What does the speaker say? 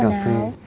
quán cà phê ấy